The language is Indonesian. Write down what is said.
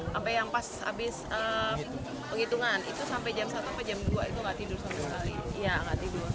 sampai yang pas habis penghitungan itu sampai jam satu atau jam dua itu nggak tidur sama sekali